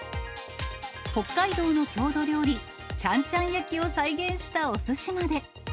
北海道の郷土料理、ちゃんちゃん焼きを再現したおすしまで。